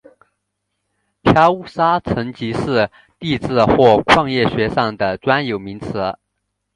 漂砂沉积是地质或矿业学上的专有名词。